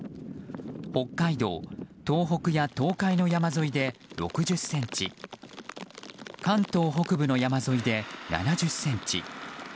北海道、東北や東海の山沿いで６０ｃｍ関東北部の山沿いで７０ｃｍ。